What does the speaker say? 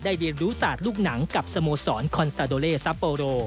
เรียนรู้ศาสตร์ลูกหนังกับสโมสรคอนซาโดเลซัปโปโร